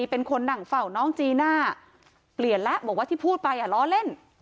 เป็นคนนั่งเฝ้าน้องจีน่าเปลี่ยนแล้วบอกว่าที่พูดไปอ่ะล้อเล่น